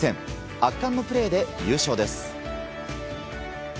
圧巻のプレーで優勝です。